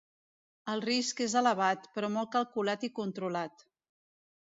El risc és elevat, però molt calculat i controlat.